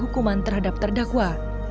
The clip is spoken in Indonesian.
hukuman terhadap terdakwa